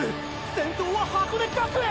先頭は箱根学園！！